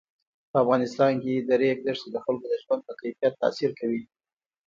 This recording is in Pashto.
په افغانستان کې د ریګ دښتې د خلکو د ژوند په کیفیت تاثیر کوي.